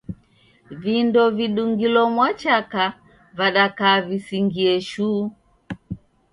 Vindo vidungilo mwachaka vadakaa visingie shuu.